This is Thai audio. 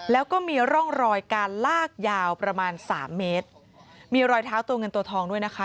แล้วก็มีร่องรอยการลากยาวประมาณสามเมตรมีรอยเท้าตัวเงินตัวทองด้วยนะคะ